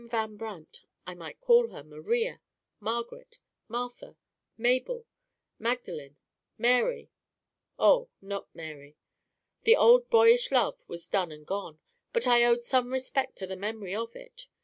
Van Brandt!" I might call her Maria, Margaret, Martha, Mabel, Magdalen, Mary no, not Mary. The old boyish love was dead and gone, but I owed some respect to the memory of it.